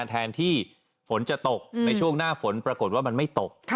แทนที่ฝนจะตกในช่วงหน้าฝนปรากฏว่ามันไม่ตก